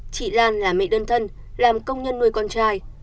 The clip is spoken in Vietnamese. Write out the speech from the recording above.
chị lan là mẹ đơn thân làm công nhân nuôi con trai